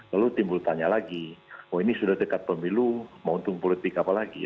lalu timbul tanya lagi oh ini sudah dekat pemilu mau untung politik apa lagi